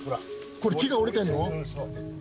これ、木が折れてるの？